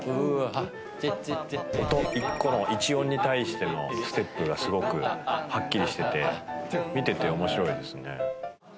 音１個の１音に対してのステップがすごくはっきりしてて見てて面白いですね。